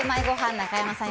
中山さん